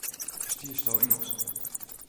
Ferstiesto Ingelsk?